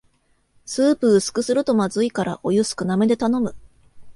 スープ薄くするとまずいからお湯少なめで頼む